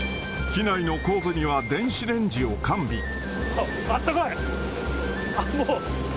機内の後部には電子レンジをあったかい。